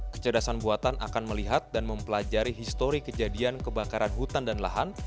kecerdasan buatan akan melihat dan mempelajari histori kejadian kebakaran hutan dan lahan